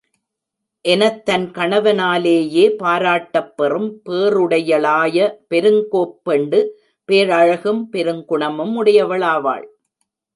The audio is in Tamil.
எனத் தன் கணவனாலேயே பாராட்டப் பெறும் பேறுடையளாய பெருங்கோப்பெண்டு, பேரழகும், பெருங்குணமும் உடையளாவாள்.